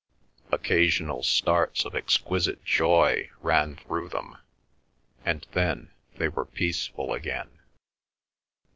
Occasional starts of exquisite joy ran through them, and then they were peaceful again.